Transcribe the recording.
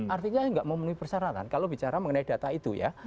artinya nggak memenuhi persyaratan kalau bicara mengenai data itu ya